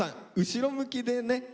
後ろ向きでね。